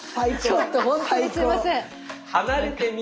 ちょっと本当にすいません。